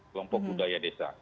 kelompok budaya desa